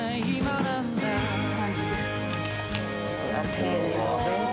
丁寧なお弁当。